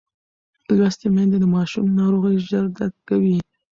لوستې میندې د ماشوم ناروغۍ ژر درک کوي.